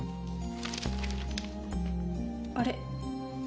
あれ？